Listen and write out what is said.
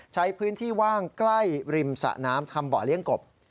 ใช้พื้นที่ว่างใกล้ริมสะน้ำทำบ่อเลี้ยงกบ